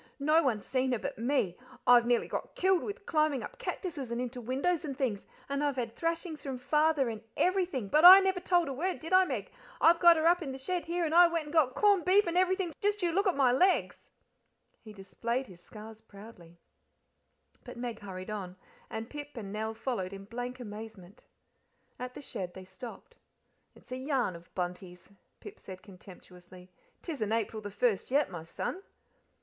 "No one's seen her but me; I've nearly got killed with climbing up cactuses and into windows and things, and I've had thrashings from Father and everything, but I never told a word, did I, Meg? I've got her up in the shed here, and I went and got corned beef and everything just you look at my legs:" He displayed his scars proudly, but Meg hurried on, and Pip and Nell followed in blank amazement. At the shed they stopped. "It's a yarn of Bunty's," Pip said contemptuously. "'Tisn't April the first yet, my son."